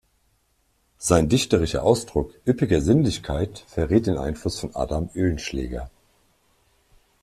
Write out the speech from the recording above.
Sein dichterischer Ausdruck üppiger Sinnlichkeit verrät den Einfluss von Adam Oehlenschläger.